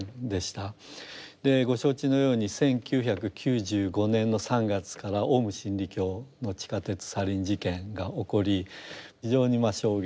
ご承知のように１９９５年の３月からオウム真理教の地下鉄サリン事件が起こり非常に衝撃を受けまして。